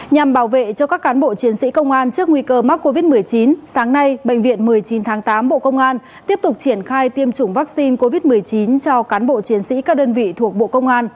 nhằm bảo vệ cho các cán bộ chiến sĩ công an trước nguy cơ mắc covid một mươi chín sáng nay bệnh viện một mươi chín tháng tám bộ công an tiếp tục triển khai tiêm chủng vaccine covid một mươi chín cho cán bộ chiến sĩ các đơn vị thuộc bộ công an